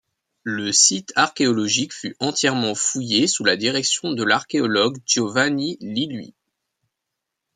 Le site archéologique fut entièrement fouillé sous la direction de l'archéologue Giovanni Lilliu.